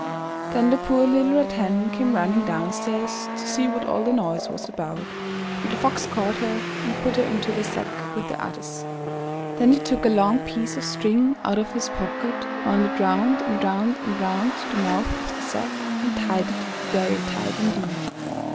Then the poor little Red Hen came running down stairs to see what all the noise was about, and the Fox caught her and put her into the sack with the others. Then he took a long piece of string out of his pocket, wound it round, and round, and round the mouth of the sack, and tied it very tight indeed.